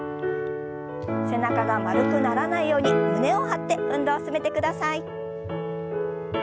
背中が丸くならないように胸を張って運動を進めてください。